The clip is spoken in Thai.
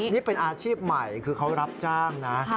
นี่เป็นอาชีพใหม่คือเขารับจ้างนะ